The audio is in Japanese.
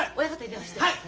はい！